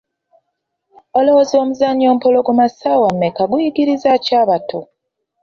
Olowooza omuzannyo ‘Wampologoma ssaawa mmeka’ guyigiriza ki abato?